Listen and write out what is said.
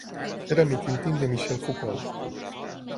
Era amic íntim de Michel Foucault.